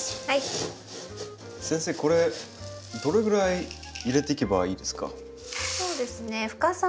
先生これどれぐらい入れていけばいいですか？